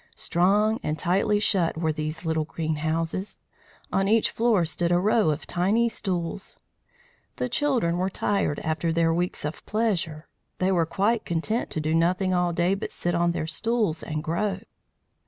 Strong and tightly shut were these little green houses; on each floor stood a row of tiny stools. The children were tired after their weeks of pleasure. They were quite content to do nothing all day but sit on their stools and grow.